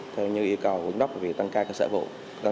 theo như yêu cầu quận đốc về việc tăng ca các xã phục